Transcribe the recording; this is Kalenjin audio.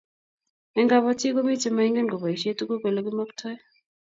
Eng'kabatik komi chema ingen kobaishe tuguk ole kimaktoi